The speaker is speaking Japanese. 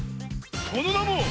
そのなも！